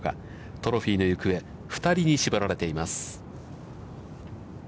トロフィーの行方、２人に絞られています。